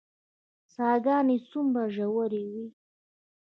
څاه ګانې څومره ژورې وي؟